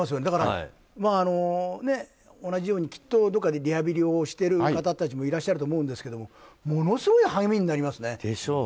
だから、同じようにどこかでリハビリをしている方もいらっしゃると思うんですけどものすごい励みになりますね。